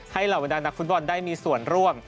ให้เหล่าวิดันนักฟุตบอลได้มีส่วนร่วม